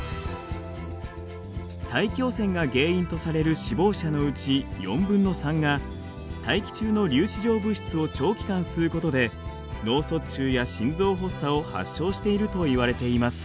大気汚染が原因とされる死亡者のうち４分の３が大気中の粒子状物質を長期間吸うことで脳卒中や心臓発作を発症しているといわれています。